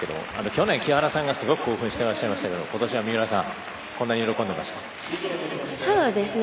去年、木原さんがすごく興奮していらっしゃいましたけど今年は三浦さんがとても喜んでいらっしゃいました。